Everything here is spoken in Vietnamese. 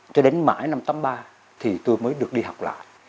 cho đến mãi năm tám mươi ba thì tôi mới được đi học lại